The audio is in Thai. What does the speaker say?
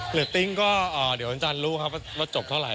เหลือติ้งก็เดี๋ยวอาจารย์รู้ครับว่าจบเท่าไหร่